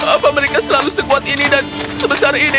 apa mereka selalu sekuat ini dan sebesar ini